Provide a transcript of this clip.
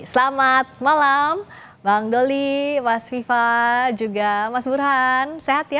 selamat malam bang doli mas viva juga mas burhan sehat ya